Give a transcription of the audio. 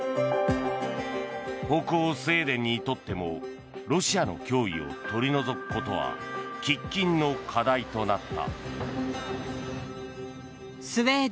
北欧スウェーデンにとってもロシアの脅威を取り除くことは喫緊の課題となった。